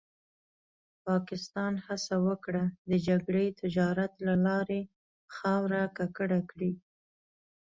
پاکستان هڅه وکړه د جګړې تجارت له لارې خاوره ککړه کړي.